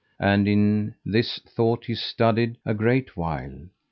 And in this thought he studied a great while.